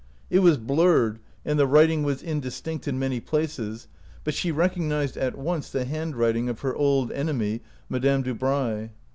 It was blurred, and the writing was indistinct in many places, but she recognized at once the handwriting of her old enemy, Madame Dubray.